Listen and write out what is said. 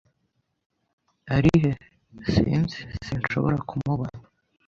" ari he?" "Sinzi. Sinshobora kumubona."